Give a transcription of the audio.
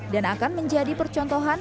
dan akan menjadi percontohan